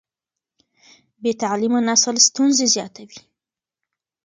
بې تعليمه نسل ستونزې زیاتوي.